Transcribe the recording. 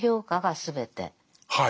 はい。